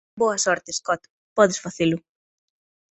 Boa sorte, Scott. Podes facelo.